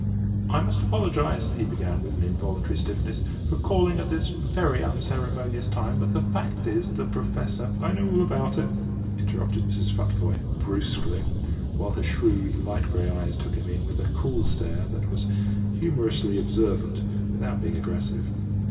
"I must apologise," he began, with an involuntary stiffness, "for calling at this very unceremonious time; but the fact is, the Professor " "I know all about it," interrupted Mrs. Futvoye, brusquely, while her shrewd, light grey eyes took him in with a cool stare that was humorously observant without being aggressive.